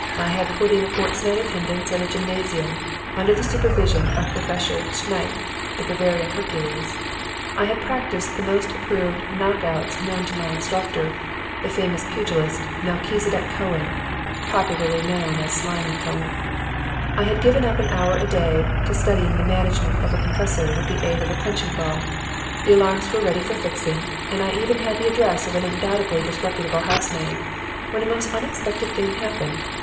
I had put in a fortnight's attendance at a gymnasium under the supervision of Professor Schneipp, the Bavarian Hercules; I had practiced the most approved 'knock outs' known to my instructor, the famous pugilist, Melchizedeck Cohen (popularly known as 'Slimy' Cohen); I had given up an hour a day to studying the management of the concussor with the aid of a punching ball; the alarms were ready for fixing, and I even had the address of an undoubtedly disreputable housemaid, when a most unexpected thing happened.